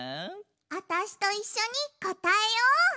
あたしといっしょにこたえよう！せの！